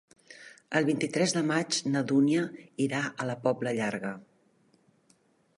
El vint-i-tres de maig na Dúnia irà a la Pobla Llarga.